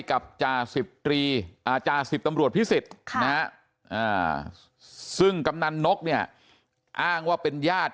จ่าสิบตำรวจพิสิทธิ์ซึ่งกำนันนกเนี่ยอ้างว่าเป็นญาติ